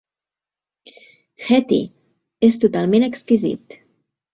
Hettie, és totalment exquisit.